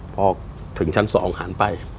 พอถึงชั้น๒ถ่ายไป